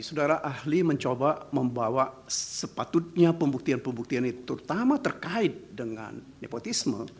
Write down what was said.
saudara ahli mencoba membawa sepatutnya pembuktian pembuktian itu terutama terkait dengan nepotisme